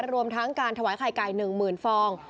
รวมทั้งการถวายไข่ไก่หนึ่งหมื่นฟอง